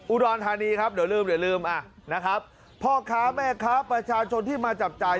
๕๕๕๘อุดรธรรณีครับเดี๋ยวลืมนะครับพ่อคร้าวแม่ข้าวประชาชนที่มาจับจ่าย